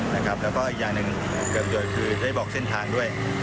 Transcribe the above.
แล้วก็อีกอย่างหนึ่งเกิดคือได้บอกเส้นทางด้วย